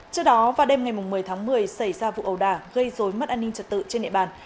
trước đó vào đêm ngày một mươi tháng một mươi xảy ra vụ ầu đà gây dối mất an ninh trật tự trên địa bàn